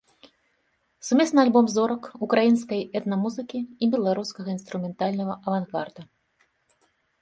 Сумесны альбом зорак украінскай этна-музыкі і беларускага інструментальнага авангарда.